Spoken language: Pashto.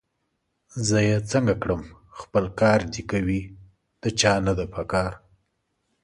زه یې څنګه کړم! خپل کار دي کوي، د چا نه ده پکار